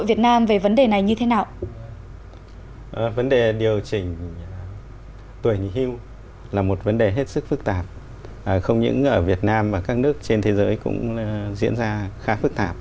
vấn đề hết sức phức tạp không những ở việt nam và các nước trên thế giới cũng diễn ra khá phức tạp